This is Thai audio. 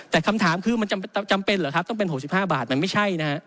แต่คำถามคือมันจำเป็นเหรอครับต้องเป็น๖๕บาทมันไม่ใช่นะฮะ